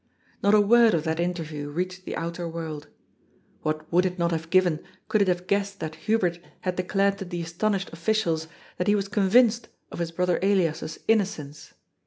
Not a word of that interview reached the outer world. What would it not have given, could it have guessed that Hubert had declared to the astonished oflScials that he was convinced of his brother Elias's innocence